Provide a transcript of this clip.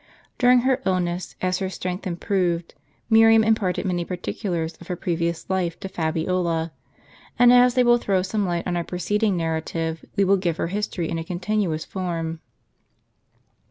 During her illness, as her strength improved, Miriam imparted many particulars of her previous life to Fabiola; and as they will throw some light on our preceding narrative, we will give her history in a continuous form.